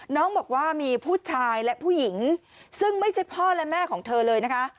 น้องบอกว่ามีผู้ชายและผู้หญิงซึ่งไม่ใช่พ่อและแม่ของเธอเลยนะคะ